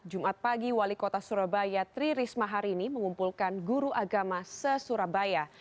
jumat pagi wali kota surabaya tri risma hari ini mengumpulkan guru agama se surabaya